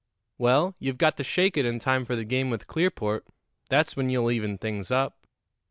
"Well, you've got to shake it in time for the game with Clearport. That's when you'll even things up."